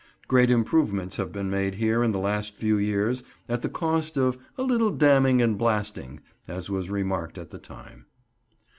Great improvements have been made here in the last few years at the cost of "a little damming and blasting," as was remarked at the time.